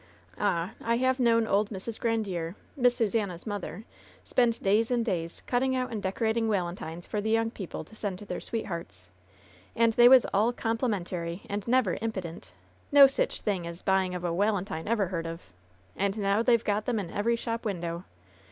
Ah ! I have known old Mrs, Grandiere — ^Miss Susannah's mother— spend days and days cutting out and decorating walentines for ihe young people to send to their sweethearts. And they was aU complimentary, and never impident. No sich thing as buying of a walentine ever heard of. And now they^ve got 'em in every shop window.